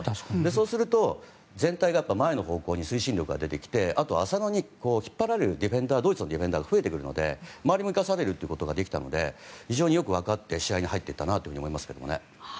そうすると、全体が前の方向に推進力が出てきてあと、浅野から前に引っ張られるドイツのディフェンダーも増えてくるので周りに生かされているということが非常によく分かって試合に入っていったなと思います。